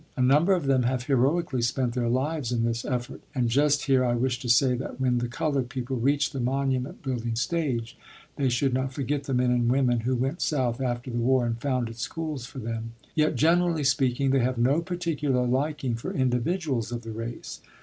A number of them have heroically spent their lives in this effort (and just here I wish to say that when the colored people reach the monument building stage, they should not forget the men and women who went South after the war and founded schools for them). Yet, generally speaking, they have no particular liking for individuals of the race.